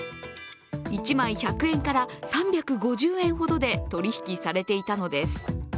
１枚１００円から３５０円ほどで取引されていたのです。